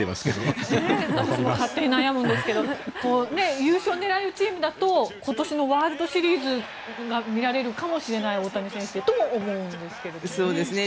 私も勝手に悩むんですけど優勝を狙えるチームだと今年のワールドシリーズが見られるかもしれない大谷選手、とも思うんですけどね。